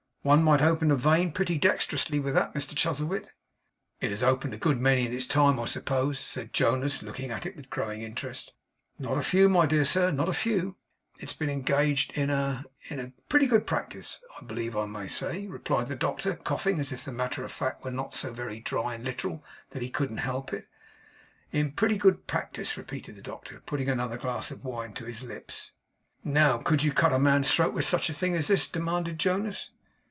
'One might open a vein pretty dexterously with that, Mr Chuzzlewit.' 'It has opened a good many in its time, I suppose?' said Jonas looking at it with a growing interest. 'Not a few, my dear sir, not a few. It has been engaged in a in a pretty good practice, I believe I may say,' replied the doctor, coughing as if the matter of fact were so very dry and literal that he couldn't help it. 'In a pretty good practice,' repeated the doctor, putting another glass of wine to his lips. 'Now, could you cut a man's throat with such a thing as this?' demanded Jonas.